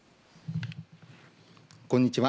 こんにちは。